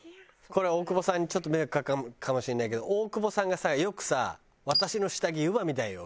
これ大久保さんにちょっと迷惑かかるかもしれないけど大久保さんがさよくさ「私の下着湯葉みたいよ」